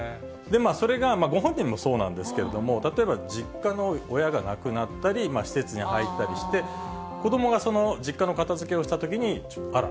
それがご本人もそうなんですけれども、例えば、実家の親が亡くなったり、施設に入ったりして、子どもがその実家の片づけをしたときに、あら？